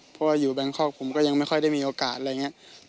เพราะว่าอยู่แบงคอกผมก็ยังไม่ค่อยได้มีโอกาสอะไรอย่างนี้